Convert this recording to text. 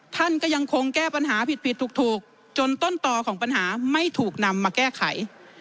ท่านก็ยังคงแก้ปัญหาผิดผิดถูกจนต้นต่อของปัญหาไม่ถูกนำมาแก้ไข